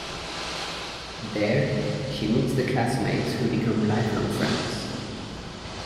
There, she meets the classmates who become lifelong friends.